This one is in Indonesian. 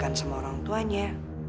kan semua orang tuanya